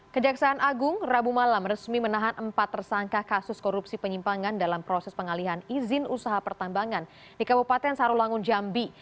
kejaksaan agung rabu malam resmi menahan empat tersangka kasus korupsi penyimpangan dalam proses pengalihan izin usaha pertambangan di kabupaten sarulangun jambi